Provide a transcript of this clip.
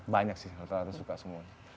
banyak sih rata rata suka semuanya